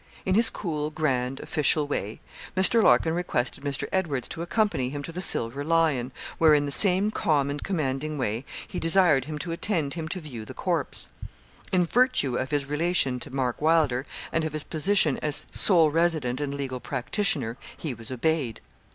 In his cool, grand, official way, Mr. Larkin requested Mr. Edwards to accompany him to the 'Silver Lion,' where in the same calm and commanding way, he desired him to attend him to view the corpse. In virtue of his relation to Mark Wylder, and of his position as sole resident and legal practitioner, he was obeyed.